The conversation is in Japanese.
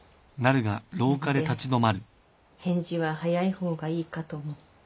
なので返事は早い方がいいかと思って。